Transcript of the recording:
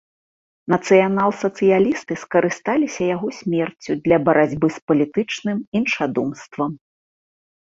Нацыянал-сацыялісты скарысталіся яго смерцю для барацьбы з палітычным іншадумствам.